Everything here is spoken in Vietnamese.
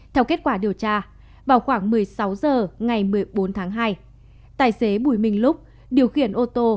theo kết quả điều tra vào khoảng một mươi sáu h ngày một mươi bốn tháng hai tài xế bùi minh lúc điều khiển ô tô